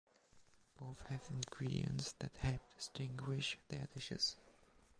Both have ingredients that help distinguish their dishes.